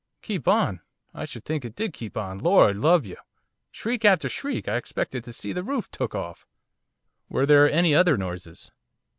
'Keep on! I should think it did keep on! Lord love you! shriek after shriek, I expected to see the roof took off.' 'Were there any other noises?